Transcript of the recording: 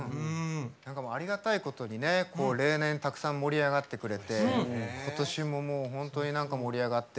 ありがたいことに例年たくさん盛り上がってくれてことしも、本当に盛り上がって。